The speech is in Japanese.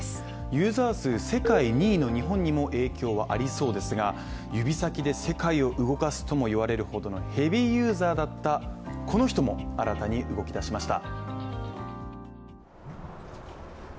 ユーザー数世界２位の日本にも影響はありそうですが、指先で世界を動かすとも言われるほどのヘビーユーザーだったこの人も、新たに動き出しました。